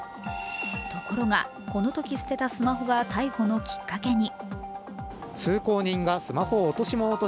ところが、このとき捨てたスマホが逮捕のきっかけに。